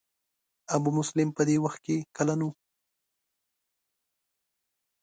ابو مسلم په دې وخت کې کلن و.